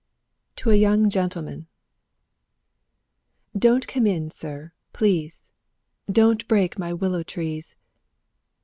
TO A YOUNG GENTLEMAN Don't come in, sir, please! Don't break my willow trees!